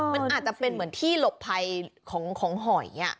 มันอาจจะเป็นเหมือนที่หลบภัยของหอย